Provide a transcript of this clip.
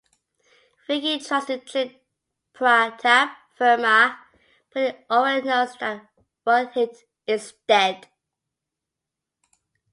Vicky tries to trick Pratap Verma, but he already knows that Rohit is dead.